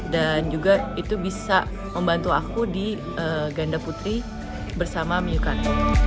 dan juga itu bisa membantu aku di ganda putri bersama miyu kan